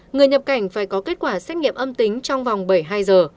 người nhập cảnh phải có kết quả xét nghiệm âm tính trong vòng bảy mươi hai giờ